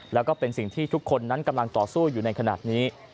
แล้วก็เป็นสิ่งที่ทุกคนนั้นกำลังต่อสู้อยู่ในขณะนี้